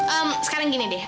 ehm sekarang gini deh